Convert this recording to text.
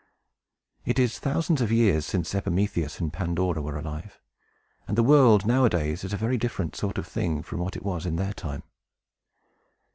It is thousands of years since Epimetheus and Pandora were alive; and the world, nowadays, is a very different sort of thing from what it was in their time.